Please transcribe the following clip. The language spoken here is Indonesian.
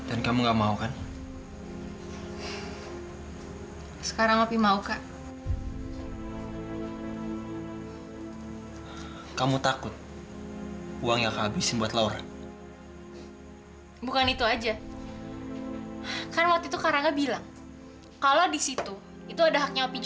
aku harus tunjukin sama dari apalagi sama opi